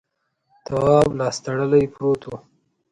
تواب لاس تړلی پروت و.